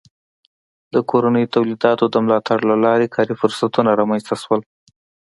د کورنیو تولیداتو د ملاتړ له لارې کار فرصتونه رامنځته شول.